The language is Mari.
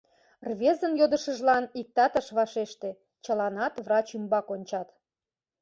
Рвезын йодышыжлан иктат ыш вашеште, чыланат врач ӱмбак ончат.